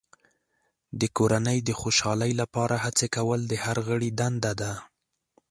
د کورنۍ د خوشحالۍ لپاره هڅې کول د هر غړي دنده ده.